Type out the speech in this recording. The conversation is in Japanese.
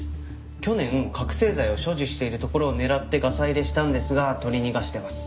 去年覚醒剤を所持しているところを狙ってガサ入れしたんですが取り逃がしてます。